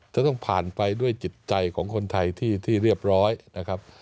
จะต้องผ่านไปด้วยจิตใจของคนไทยที่เรียบร้อยนะครับ